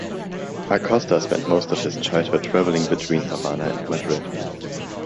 Acosta spent most of his childhood travelling between Havana and Madrid.